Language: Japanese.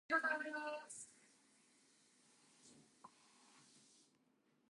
夏、殷、周の三代の始祖の名。夏王朝の始祖の禹王。殷王朝の始祖の湯王。周王朝の文王と武王のこと。いずれも中国古代の聖天子。